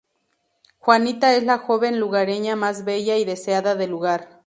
Juanita es la joven lugareña más bella y deseada del lugar.